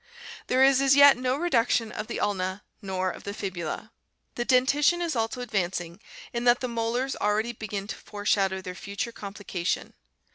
There is as yet no reduction of the ulna nor of the fibula. The denti tion is also advancing in that the molars already begin to .foreshadow their future complication.